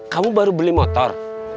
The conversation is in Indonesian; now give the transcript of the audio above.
kamu baru beli motor